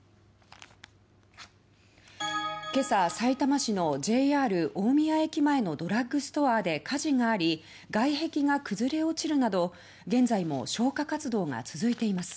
今朝、さいたま市のＪＲ大宮駅前のドラッグストアで火事があり外壁が崩れ落ちるなど現在も消火活動が続いています。